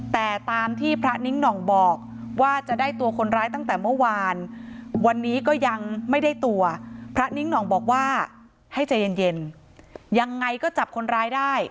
แต่ตามที่พระนิ้งหน่องบอกว่าจะได้ตัวคนร้ายตั้งแต่เมื่อวานวันนี้ก็ยังไม่ได้ตัวพระนิ้งหน่องบอกว่าให้ใจเย็นยังไงก็จับคนร้ายได้